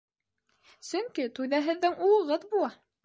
Сөнки туйҙа һеҙҙең улығыҙ була!